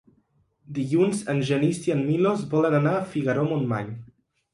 Dilluns en Genís i en Milos volen anar a Figaró-Montmany.